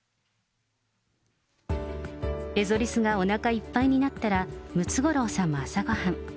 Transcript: エゾリスがおなかいっぱいになったら、ムツゴロウさんも朝ごはん。